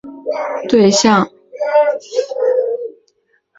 以甲钴胺为主要的研究对象。